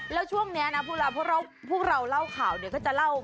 แล้วช่วงนี้เพราะเราเล่าข่าวจะเล่า